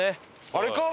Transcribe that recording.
あれか？